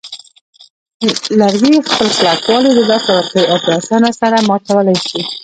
لرګي خپل کلکوالی له لاسه ورکوي او په آسانۍ سره ماتولای شي.